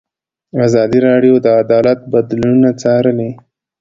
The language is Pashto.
ازادي راډیو د عدالت بدلونونه څارلي.